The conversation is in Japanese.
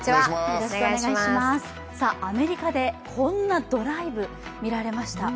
アメリカでこんなドライブ見られました。